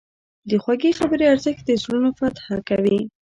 د خوږې خبرې ارزښت د زړونو فتح کوي.